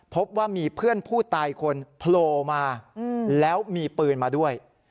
พบว่ามีเพื่อนผู้ตายคนโผล่มาแล้วมีปืนมาด้วย